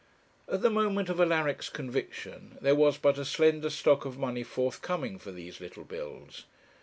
At the moment of Alaric's conviction, there was but a slender stock of money forthcoming for these little bills.